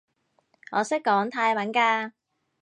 我識講泰文㗎